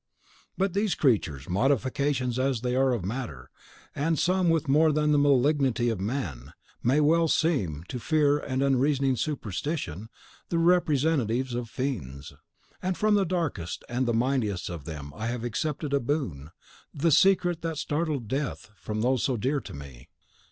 But these creatures, modifications as they are of matter, and some with more than the malignanty of man, may well seem, to fear and unreasoning superstition, the representatives of fiends. And from the darkest and mightiest of them I have accepted a boon, the secret that startled Death from those so dear to me.